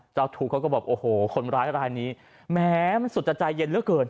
เจ้าทุกข์เขาก็แบบโอ้โหคนร้ายรายนี้แหมมันสุดจะใจเย็นเหลือเกิน